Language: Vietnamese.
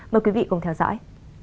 mời quý vị cùng theo dõi